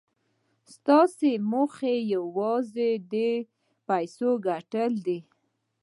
ستاسې موخه یوازې د پیسو ګټل دي